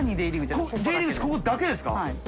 ここだけですか？